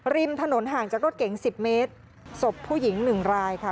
ริมถนนห่างจากรถเก๋งสิบเมตรศพผู้หญิงหนึ่งรายค่ะ